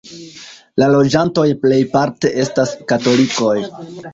La loĝantoj plejparte estas katolikoj.